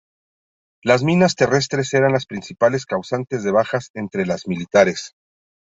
Las minas terrestres eran las principales causantes de bajas entre los militares.